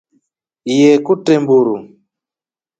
Yee kutre mburu.